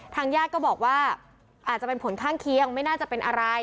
ญาติก็บอกว่าอาจจะเป็นผลข้างเคียงไม่น่าจะเป็นอะไร